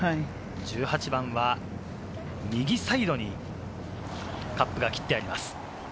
１８番は右サイドにカップが切ってあります。